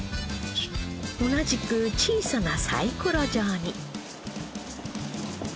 同じく小さなサイコロ状に。